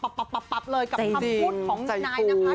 กับคำพูดของนายนพัส